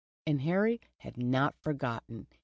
And Harry had not forgotten.